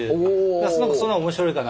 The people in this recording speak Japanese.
すごくその案面白いかなって。